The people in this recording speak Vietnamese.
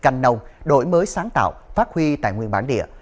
cảnh nông đổi mới sáng tạo phát huy tại nguyên bản địa